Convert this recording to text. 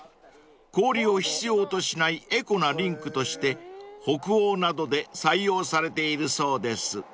［氷を必要としないエコなリンクとして北欧などで採用されているそうです］